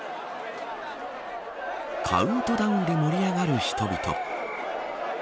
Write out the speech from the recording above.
カウントダウンで盛り上がる人々。